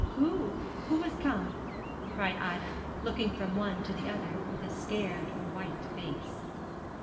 'Who, who has come?' cried Ida, looking from one to the other, with a scared white face.